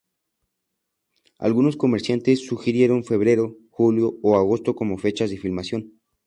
Algunos comerciantes sugirieron febrero, julio o agosto como fechas de filmación.